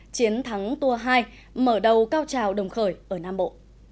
chiến thắng tour hai mở đầu cao trào đồng khởi ở nam bộ